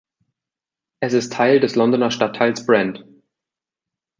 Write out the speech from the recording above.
Es ist Teil des Londoner Stadtteils Brent.